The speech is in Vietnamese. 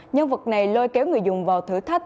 nhân vật này lôi kéo người dùng vào thử thách